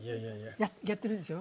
やってるでしょ？